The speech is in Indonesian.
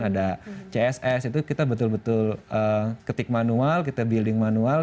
ada css itu kita betul betul ketik manual kita building manual